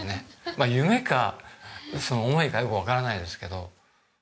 まあ夢か思いかよくわからないですけど。